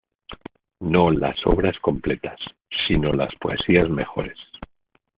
No las obras completas, sino las poesías mejores.